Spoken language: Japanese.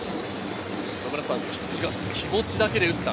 菊池が気持ちだけで打った。